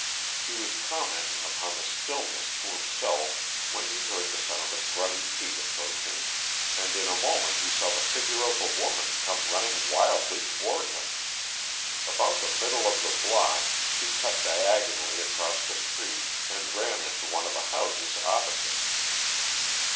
He was commenting upon the stillness to himself when he heard the sound of running feet approaching, and in a moment he saw the figure of a woman come running wildly toward him. About the middle of the block she cut diagonally across the street and ran into one of the houses opposite.